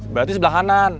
berarti sebelah kanan